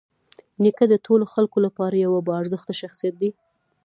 نیکه د ټولو خلکو لپاره یوه باارزښته شخصیت دی.